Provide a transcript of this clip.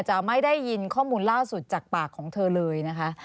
จะไม่ได้ยินข้อมูลล่าสุดจากปากของเธอเลยนะคะ